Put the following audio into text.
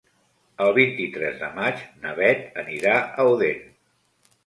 El vint-i-tres de maig na Beth anirà a Odèn.